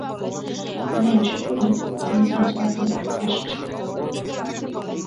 আমি আশা করি তুমি আজরাতে আসছো!